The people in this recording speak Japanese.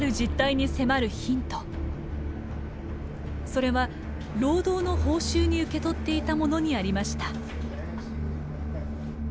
それは労働の報酬に受け取っていたものにありました。